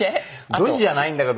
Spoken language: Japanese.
ドジじゃないんだけど。